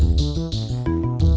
masih di pasar